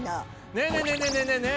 ねえねえねえねえねえねえ！